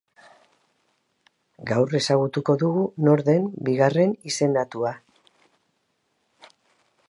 Gaur ezagutuko dugu nor den bigarren izendatua.